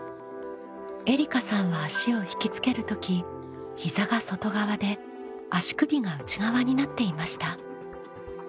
えりかさんは足を引きつける時膝が外側で足首が内側になっていました。